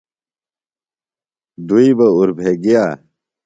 دُئی بہ اُربھےۡ گِیہ۔